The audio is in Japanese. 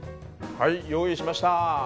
はい用意しました。